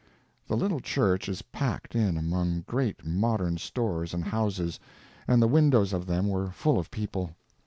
The little church is packed in among great modern stores and houses, and the windows of them were full of people.